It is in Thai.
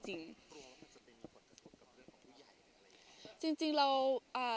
ยังรู้ว่ามันจะมีผลกระทดกับเรื่องของผู้ใหญ่อย่างไรหรืออะไรอีก